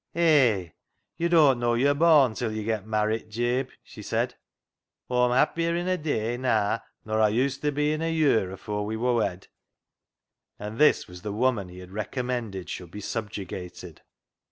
" Hay ! yo' doan't know yo'r born till yo' get marrit, Jabe," she said. " Aw'm happier in a day naa nor Aw used be in a ye'r afoor we wor wed." And this was the woman he had recom mended should be subjugated